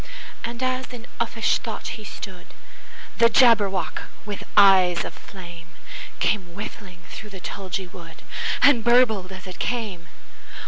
And as in uffish thought he stood, The Jabberwock, with eyes of flame, Came whiffling through the tulgey wood, And burbled as it came!